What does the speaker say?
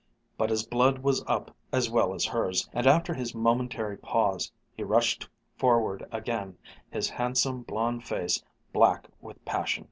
But his blood was up as well as hers, and after his momentary pause, he rushed forward again, his handsome, blond face black with passion.